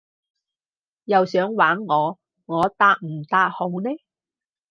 又想玩我？我答唔答好呢？